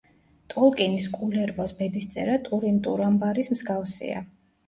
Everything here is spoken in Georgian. ტოლკინის კულერვოს ბედისწერა ტურინ ტურამბარის მსგავსია.